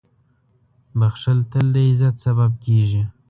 • بښل تل د عزت سبب کېږي.